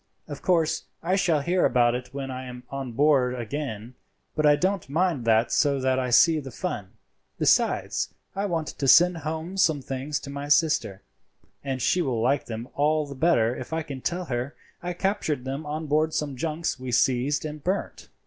Of course I shall hear about it when I am on board again; but I don't mind that so that I see the fun. Besides, I want to send home some things to my sister, and she will like them all the better if I can tell her I captured them on board some junks we seized and burnt."